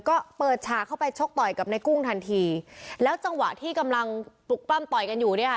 ก็เปิดฉากเข้าไปชกต่อยกับในกุ้งทันทีแล้วจังหวะที่กำลังปลุกปล้ำต่อยกันอยู่เนี่ยค่ะ